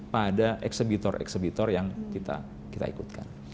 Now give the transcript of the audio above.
pada eksepitor eksepitor yang kita ikutkan